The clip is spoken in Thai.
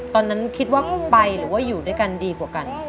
ตอนนั้นคิดว่าไปหรือว่าอยู่ด้วยกันดีกว่ากัน